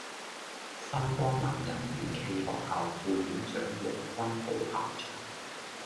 心光盲人院暨學校副院長黃君寶校長